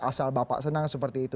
asal bapak senang seperti itu